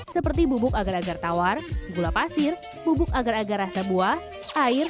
seperti bubuk agar agar tawar gula pasir bubuk agar agar rasa buah air